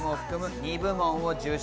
２部門を受賞。